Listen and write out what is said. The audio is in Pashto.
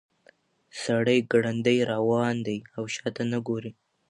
سړی ګړندی روان دی او شاته نه ګوري.